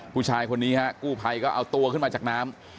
ผู้ชายคนนี้ฮะกู้ภัยก็เอาตัวขึ้นมาจากน้ำ